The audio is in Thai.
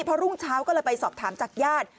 พอรุ่งเช้าก็เลยไปสอบถามจากญาติ